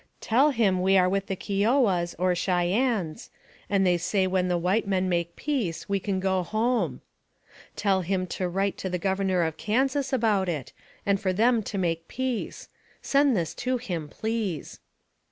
Tell him we are with the Kio wahs, or Cheyennes; and they say when the white men make peace we can go home. "Tell him to write to the Governor of Kansas about it, and for them to make peace. Send this to him, please.